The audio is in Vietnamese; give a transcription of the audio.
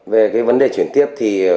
về cái vấn đề chuyển tiếp thì